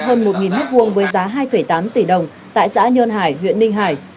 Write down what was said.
hơn một m hai với giá hai tám tỷ đồng tại xã nhơn hải huyện ninh hải